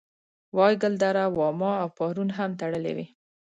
وایګل دره واما او پارون هم تړلې وې.